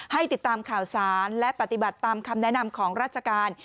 ให้ติดตามข่าวสารและปฏิบัติตามคำแนะนำของราชการ